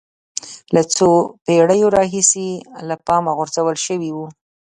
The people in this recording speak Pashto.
له څو پېړیو راهیسې له پامه غورځول شوی و